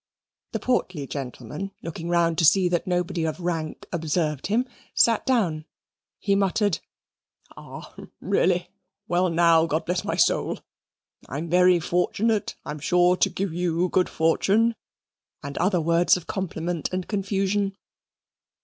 The portly gentleman, looking round to see that nobody of rank observed him, sat down; he muttered "Ah, really, well now, God bless my soul. I'm very fortunate; I'm sure to give you good fortune," and other words of compliment and confusion.